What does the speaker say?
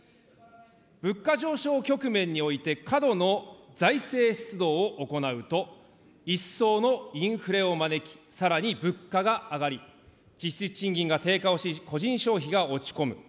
物価上昇局面において過度の財政出動を行うと、一層のインフレを招き、さらに物価が上がり、実質賃金が低下をし個人消費が落ち込む。